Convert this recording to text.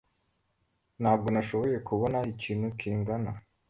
Ntabwo nashoboye kubona ikintu kingana